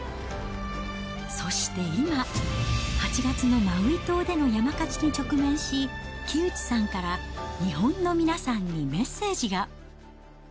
そして今、８月のマウイ島での山火事に直面し、木内さんから日本の皆さんにメッセージが。